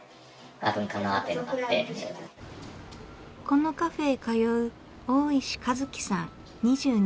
このカフェへ通う大石和輝さん２２歳。